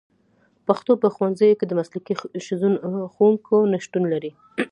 پښتو په ښوونځیو کې د مسلکي ښوونکو نشتون لري